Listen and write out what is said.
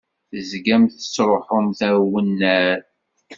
Tezgamt tettṛuḥumt ar wannar.